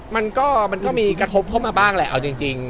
มันก็มีกระทบเข้ามาบ้างแหละเอาจริง